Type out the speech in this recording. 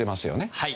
はい！